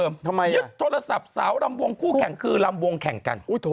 ยึดโทรศัพท์สาวลำวงคู่แข่งคือลำวงแข่งกัน